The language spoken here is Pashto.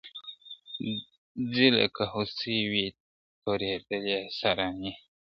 ځي لکه هوسۍ وي تورېدلې سارانۍ `